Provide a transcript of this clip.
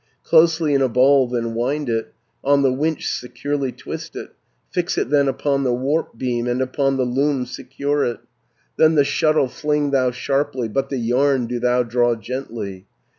380 Closely in a ball then wind it, On the winch securely twist it, Fix it then upon the warp beam, And upon the loom secure it, Then the shuttle fling thou sharply, But the yarn do thou draw gently.